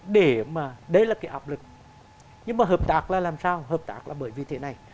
để mà đấy là cái áp lực nhưng mà hợp tác là làm sao hợp tác là bởi vì thế này